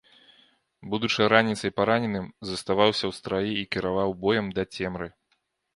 Будучы раніцай параненым, заставаўся ў страі і кіраваў боем да цемры.